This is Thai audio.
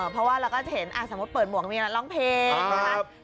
เพราะว่าเราก็จะเห็นสมมุติเปิดหมวกมีร้องเพลงนะครับ